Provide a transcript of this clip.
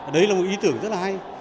đấy là một ý tưởng rất là hay